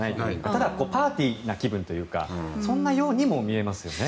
ただ、パーティーな気分というかそんなようにも見えますよね。